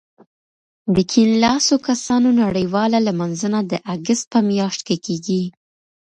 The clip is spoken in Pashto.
د کیڼ لاسو کسانو نړیواله لمانځنه د اګست په میاشت کې کېږي.